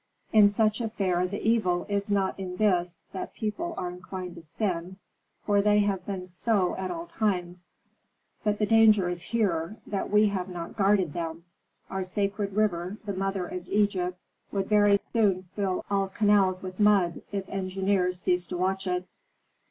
In such affairs the evil is not in this, that people are inclined to sin, for they have been so at all times. But the danger is here, that we have not guarded them. Our sacred river, the mother of Egypt, would very soon fill all canals with mud, if engineers ceased to watch it."